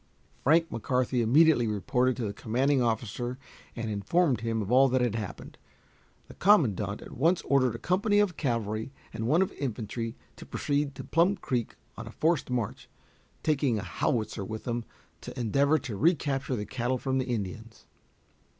Frank McCarthy immediately reported to the commanding officer and informed him of all that had happened. The commandant at once ordered a company of cavalry and one of infantry to proceed to Plum Creek on a forced march, taking a howitzer with them to endeavor to recapture the cattle from the Indians.